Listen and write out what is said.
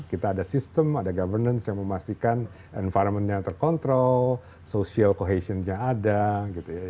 kita ada sistem ada governance yang memastikan environment nya terkontrol social cohesionnya ada gitu ya